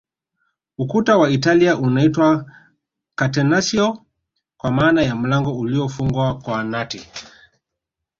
Ukuta wa Italia unaitwa Catenacio kwa maana ya mlango uliofungwa kwa nati